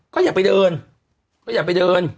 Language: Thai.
ก็อยากไปเดิน